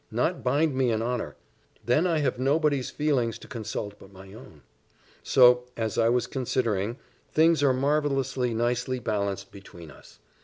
Not bind me in honour! Then I have nobody's feelings to consult but my own. So, as I was considering, things are marvellously nicely balanced between us.